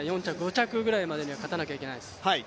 ４５着ぐらいのタイムには勝たないといけないです。